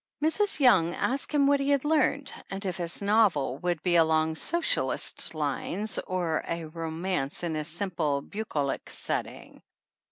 Mrs. Young asked him what he had learned, and if his novel would be along "socialistic lines" or a "romance in a simple bucolic setting."